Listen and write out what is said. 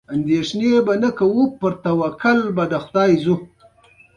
ازادي راډیو د بهرنۍ اړیکې د اغیزو په اړه مقالو لیکلي.